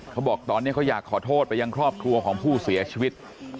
เขาบอกตอนนี้เขาอยากขอโทษไปยังครอบครัวของผู้เสียชีวิต